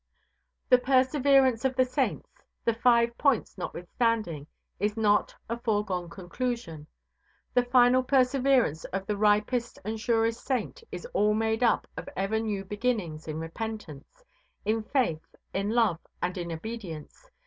The perseverance of the saints, the "five points" notwithstanding, is not a foregone conclusion. The final perseverance of the ripest and surest saint is all made up of ever new beginnings in repentance, in faith, in love, and in obedience.